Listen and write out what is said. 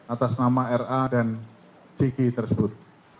atas nama ra dan ciki tersebut